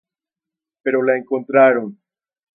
Pero la encontraron.